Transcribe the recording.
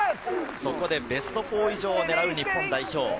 そこでベスト４以上を狙う日本代表。